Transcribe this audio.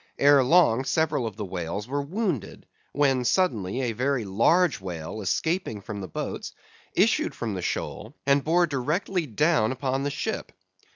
Ere long, several of the whales were wounded; when, suddenly, a very large whale escaping from the boats, issued from the shoal, and bore directly down upon the ship.